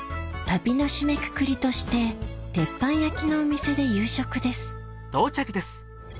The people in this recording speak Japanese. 旅の締めくくりとして鉄板焼きのお店で夕食です